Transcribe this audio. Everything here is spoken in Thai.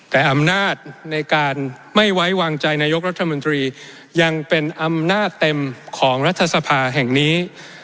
แต่อำนาจในการไม่ไว้วางใจนายกรัฐมนตรียังเป็นอำนาจเต็มของรัฐสภาแห่งนี้